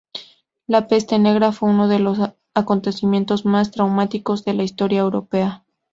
La Peste Negra fue uno de los acontecimientos más traumáticos de la historia europea.